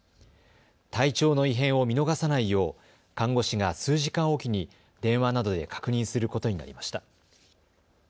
体調の異変を見逃さないよう看護師が数時間おきに電話などで確認することになりました。